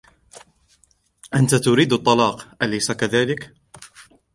أنتَ تريد الطلاق, أليس كذلك؟